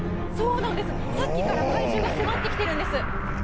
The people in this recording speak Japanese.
さっきから怪獣が迫ってきているんです。